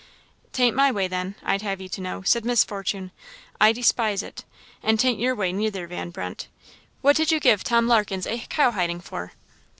" 'Tain't my way, then, I'd have you to know," said Miss Fortune; "I despise it! And 'tain't your way, neither, Van Brunt; what did you give Tom Larkens a cowhiding for?"